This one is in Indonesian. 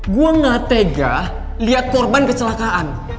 gue gak tega lihat korban kecelakaan